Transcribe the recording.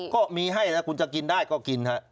ก็มีให้นะคุณจะกินได้ก็กินฮะ